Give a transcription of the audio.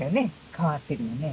変わってるよね。